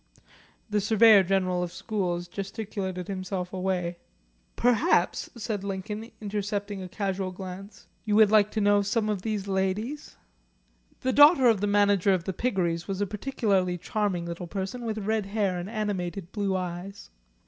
The Surveyor General of schools gesticulated himself away. "Perhaps," said Lincoln, intercepting a casual glance, "you would like to know some of these ladies?" The daughter of the Manager of the Piggeries was a particularly charming little person with red hair and animated blue eyes.